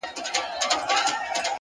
او خپل سر يې د لينگو پر آمسا کښېښود،